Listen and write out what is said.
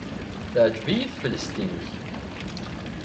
Teɛjeb-iyi teflest-nnek.